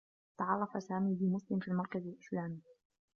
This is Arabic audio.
تعرّف سامي بمسلم في المركز الإسلامي.